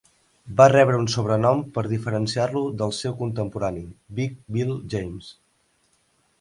Va rebre un sobrenom per diferenciar-lo del seu contemporani, "Big" Bill James.